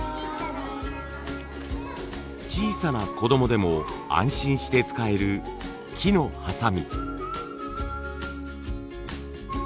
小さな子どもでも安心して使える木のハサミ。